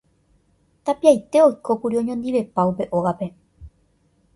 tapiaite oikókuri oñondivepa upe ógape.